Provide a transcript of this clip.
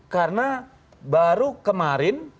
karena baru kemarin